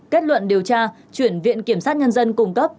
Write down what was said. kết luận điều tra chuyển viện kiểm sát nhân dân cung cấp